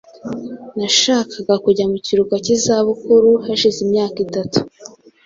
Nashakaga kujya mu kiruhuko cy'izabukuru hashize imyaka itatu.